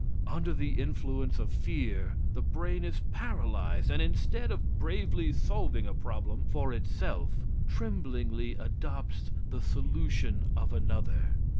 Under the influence of fear the brain is paralyzed, and instead of bravely solving a problem for itself, tremblingly adopts the solution of another.